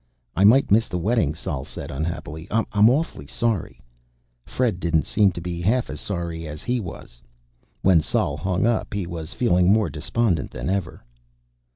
"I might miss the wedding," Sol said unhappily. "I'm awfully sorry." Fred didn't seem to be half as sorry as he was. When Sol hung up, he was feeling more despondent than ever.